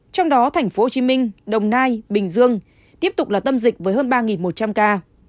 trong đó tp hcm đồng nai bình dương tiếp tục là tâm dịch với hơn ba một trăm linh ca